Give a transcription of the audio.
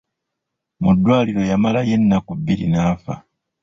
Mu ddwaliro yamalayo ennaku bbiri n'afa.